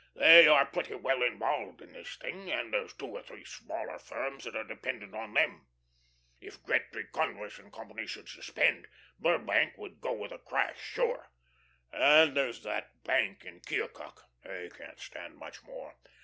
They are pretty well involved in this thing, and there's two or three smaller firms that are dependent on them. If Gretry Converse & Co. should suspend, Burbank would go with a crash sure. And there's that bank in Keokuk; they can't stand much more.